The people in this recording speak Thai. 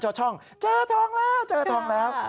ช่องเจอทองแล้วเจอทองแล้ว